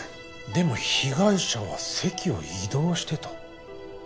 でも被害者は席を移動してた。